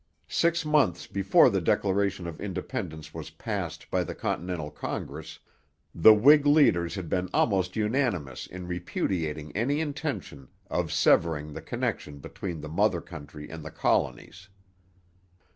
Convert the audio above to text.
Six months before the Declaration of Independence was passed by the Continental Congress, the Whig leaders had been almost unanimous in repudiating any intention of severing the connection between the mother country and the colonies.